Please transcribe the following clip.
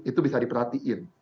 itu bisa diperhatiin